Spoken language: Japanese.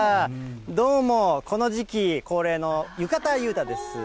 どうも、この時期恒例の浴衣裕太です。